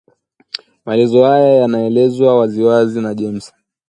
Maelezo haya yanaelezwa waziwazi na James